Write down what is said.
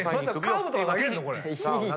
カーブとか投げんの？